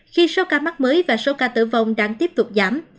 khi số ca mắc mới và số ca tử vong đang tiếp tục giảm